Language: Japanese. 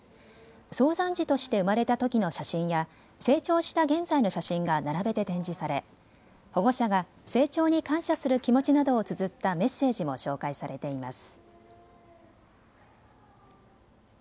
早産児として産まれたときの写真や成長した現在の写真が並べて展示され、保護者が成長に感謝する気持ちなどをつづったメッセージも紹介されています。